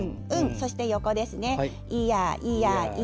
そして横です。